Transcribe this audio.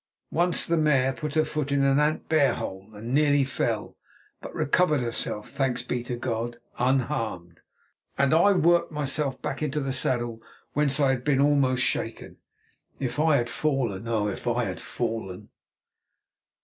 Once the mare put her foot in an ant bear hole and nearly fell, but recovered herself—thanks be to God, unharmed—and I worked myself back into the saddle whence I had been almost shaken. If I had fallen; oh! if I had fallen!